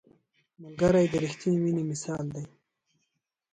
ملګری د رښتیني مینې مثال دی